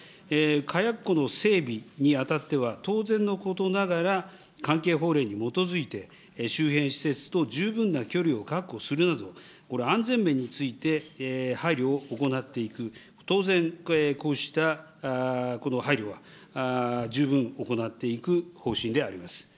火薬庫の整備にあたっては、当然のことながら、関係法令に基づいて、周辺施設と十分な距離を確保するなど、安全面について配慮を行っていく、当然、こうした配慮は十分行っていく方針であります。